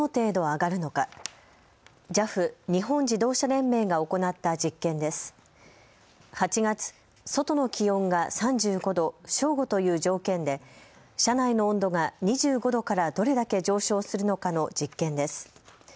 真夏の炎天下で外の気温が３５度、正午という条件で車内の温度が２５度からどれだけ上昇するのかの実験です。